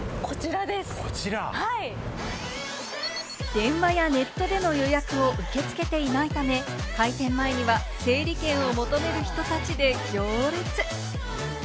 電話やネットでの予約を受け付けていないため、開店前には整理券を求める人たちで行列。